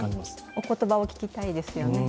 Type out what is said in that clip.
おことばを聞きたいですよね。